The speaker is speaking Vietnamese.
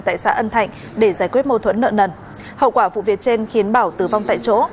tại xã ân thạnh để giải quyết mâu thuẫn nợ nần hậu quả vụ việc trên khiến bảo tử vong tại chỗ